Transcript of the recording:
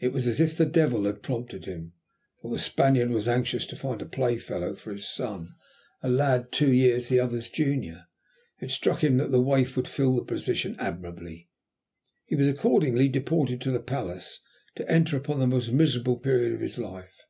It was as if the devil had prompted him, for the Spaniard was anxious to find a playfellow for his son, a lad two years the other's junior. It struck him that the waif would fill the position admirably. He was accordingly deported to the palace to enter upon the most miserable period of his life.